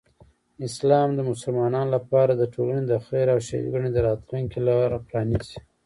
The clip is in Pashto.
اسلام د مسلمانانو لپاره د ټولنې د خیر او ښېګڼې د راتلوونکی لاره پرانیزي.